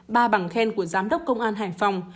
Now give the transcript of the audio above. ba bằng khen của giám đốc công an hải phòng